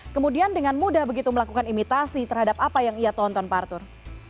kemudian dengan mudah begitu melakukan imitasi terhadap apa yang ia tonton pak arthur